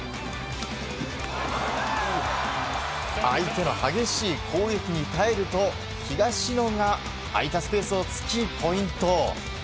相手の激しい攻撃に耐えると東野が空いたスペースを突きポイント。